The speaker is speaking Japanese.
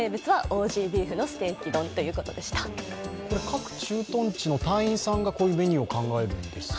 各駐屯地の隊員さんがこういうメニューを考えるんですか？